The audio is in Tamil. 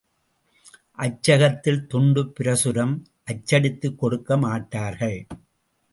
அச்சகத்தில் துண்டுப்பிரசுரம் அச்சடித்துக் கொடுக்கமாட்டார்கள்.